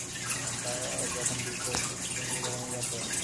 তারা যখন দ্বীপটা থেকে প্রস্থান করবে আমি জানতে পারবো।